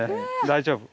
大丈夫。